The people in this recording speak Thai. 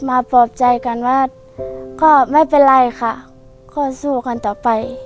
ปลอบใจกันว่าก็ไม่เป็นไรค่ะก็สู้กันต่อไป